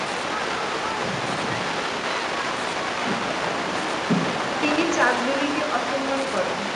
তিনি চাঁদ বিবিকে অসম্মান করেন।